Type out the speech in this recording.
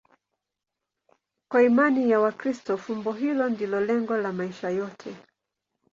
Kwa imani ya Wakristo, fumbo hilo ndilo lengo la maisha yote.